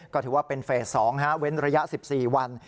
ก็ถือว่าเป็นเฟส๒เว้นระยะ๑๔วัน